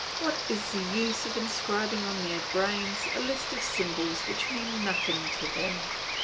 What is the use of inscribing on their brains a list of symbols which mean nothing to them?